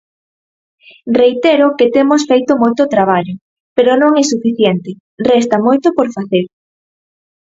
Reitero que temos feito moito traballo, pero non é suficiente, resta moito por facer.